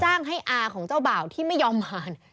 จ้างให้อาของเจ้าบ่าวที่ไม่ยอมมา